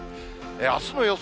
あすの予想